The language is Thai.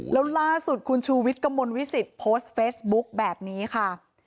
แล้วล่าสุดคุณชูวิทย์กระมวลวิสิตโพสต์เฟซบุ๊คแบบนี้ค่ะ